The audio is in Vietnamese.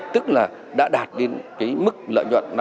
tức là đã đạt đến mức lợi nhuận